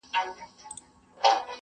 زموږ په کور کې ټول په مورنۍ ژبه ګړېږي.